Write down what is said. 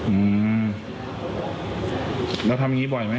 อืมเราทำอย่างงี้บ่อยไม่